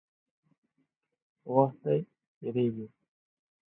وخت دی، تېرېږي.